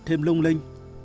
thêm lung linh